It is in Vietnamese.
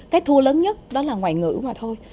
cái thua lớn nhất đó là ngoại ngữ mà thôi